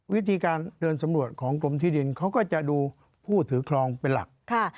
วิธีการเดินสำรวจของกรมที่ดินเขาก็จะดูผู้ถือครองเป็นหลัก